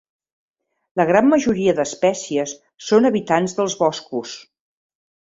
La gran majoria d'espècies són habitants dels boscos.